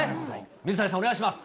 水谷さん、お願いします。